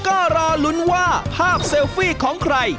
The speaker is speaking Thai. ก็รอลุ้นว่าภาพเซลฟี่ของใคร